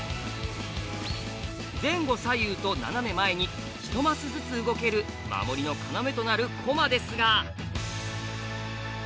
前後左右と斜め前に一マスずつ動ける守りの要となる駒ですが。